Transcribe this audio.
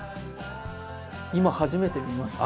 今初めて見ました。